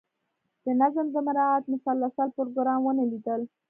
د نظم د مراعات مسلسل پروګرام ونه لیدل.